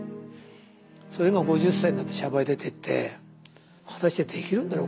それが５０歳になってシャバへ出てって果たしてできるんだろうかっていう。